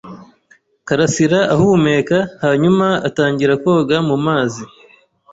Karasiraahumeka hanyuma atangira koga mu mazi.